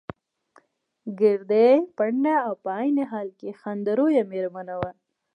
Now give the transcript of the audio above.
ګردۍ، پنډه او په عین حال کې خنده رویه مېرمن وه.